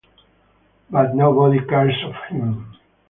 But nobody cares of him.